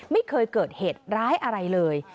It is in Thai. ไม่เคยเกิดเหตุร้ายอะไรเลย